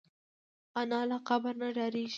انا له قبر نه ډارېږي